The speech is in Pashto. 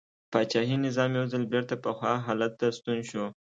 پاچاهي نظام یو ځل بېرته پخوا حالت ته ستون شو.